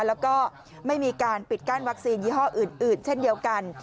แล้วก็ไม่มีการปิดกั้นวัคซีนยี่ห้ออื่นเช่นเดียวกัน